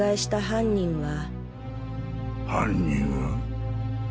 犯人は？